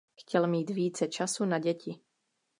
Chtěl mít více času na děti.